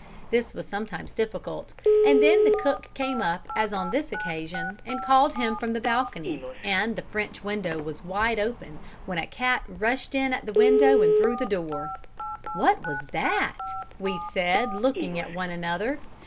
This was sometimes difficult, and then cook came up as on this occasion and called him from the balcony, and the French window was wide open, when a cat rushed in at the window and through the door. "What was that?" we said, looking at one another.